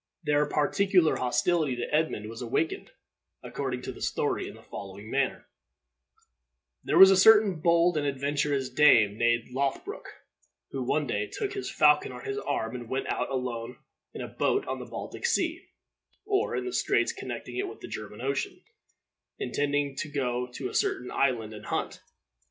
Their particular hostility to Edmund was awakened, according to the story, in the following manner: There was a certain bold and adventurous Dane named Lothbroc, who one day took his falcon on his arm and went out alone in a boat on the Baltic Sea, or in the straits connecting it with the German Ocean, intending to go to a certain island and hunt.